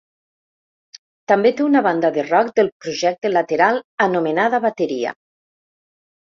També té una banda de rock del projecte lateral anomenada bateria.